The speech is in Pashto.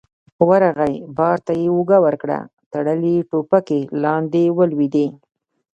ورغی، بار ته يې اوږه ورکړه، تړلې ټوپکې لاندې ولوېدې.